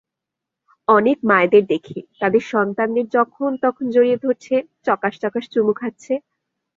অনেক মায়েদের দেখি, তাদের সন্তানদের যখন-তখন জড়িয়ে ধরছে, চকাস্ চকাস্ চুমু খাচ্ছে।